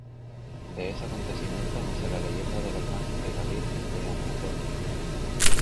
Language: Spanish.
De ese acontecimiento nace la leyenda de la imagen de la Virgen de Andacollo.